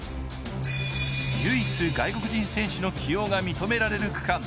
唯一、外国人選手の起用が認められる区間。